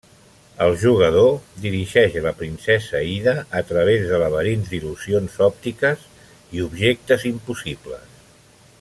El jugador dirigeix la princesa Ida a través de laberints d'il·lusions òptiques i objectes impossibles.